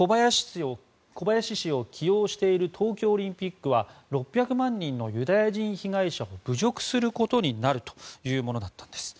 小林氏を起用している東京オリンピックは６００万人のユダヤ人被害者を侮辱することになるというものだったんです。